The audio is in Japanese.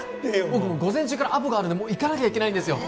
僕午前中からアポがあるんでもう行かなきゃいけないんですよ